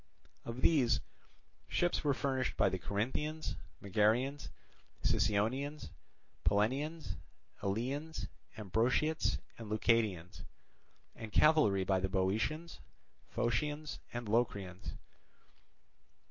Of these, ships were furnished by the Corinthians, Megarians, Sicyonians, Pellenians, Eleans, Ambraciots, and Leucadians; and cavalry by the Boeotians, Phocians, and Locrians.